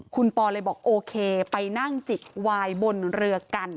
คุณปอเลยบอกโอเคไปนั่งจิกวายบนเรือกัน